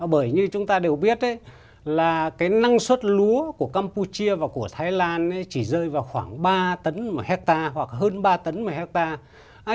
bởi như chúng ta đều biết là cái năng suất lúa của campuchia và của thái lan chỉ rơi vào khoảng ba tấn một hectare hoặc hơn ba tấn một hectare